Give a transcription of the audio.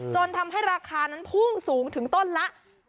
จนทำให้ราคานั้นพุ่งสูงถึงต้นละ